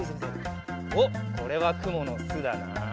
おっこれはくものすだな。